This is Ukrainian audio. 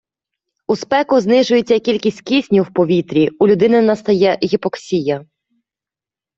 У спеку знижується кількість кисню в повітрі, у людини настає гіпоксія